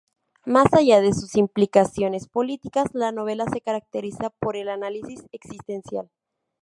Más allá de sus implicaciones políticas la novela se caracteriza por el análisis existencial.